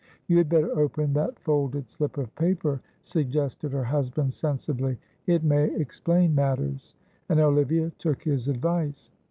"You had better open that folded slip of paper," suggested her husband, sensibly, "it may explain matters," and Olivia took his advice.